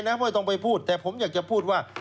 ไม่ต้องไปพูดแต่ผมอยากจะพูดว่า